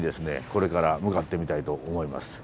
これから向かってみたいと思います。